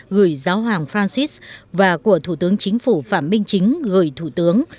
gửi giáo hoàng francis và của thủ tướng chính phủ phạm minh chính gửi thủ tướng